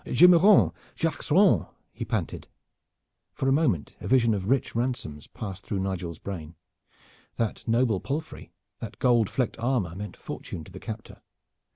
"Je me rends! je axe rends!" he panted. For a moment a vision of rich ransoms passed through Nigel's brain. That noble palfrey, that gold flecked armor, meant fortune to the captor.